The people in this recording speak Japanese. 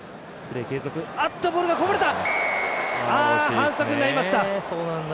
反則になりました。